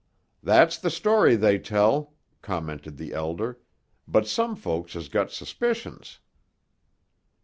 "That's the story they tell," commented the Elder; "but some folks has got suspicions."